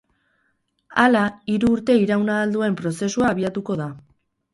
Hala, hiru urte iraun ahal duen prozesua abiatuko da.